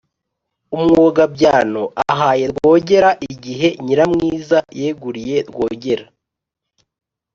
umwogabyano ahaye rwogera: igihe nyiramwiza yeguriye rwogera